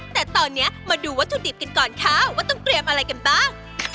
แต่ตอนนี้มาดูวัตถุดิบกันก่อนค่ะว่าต้องเตรียมอะไรกันบ้าง